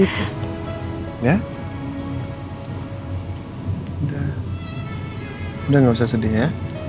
gitu ya udah gak usah sedih ya